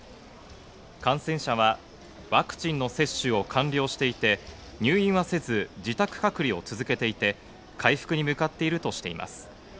感染者はワクチンの接種を完了していて、入院はせず、自宅隔離を続けていて、回復に向かっているとしています。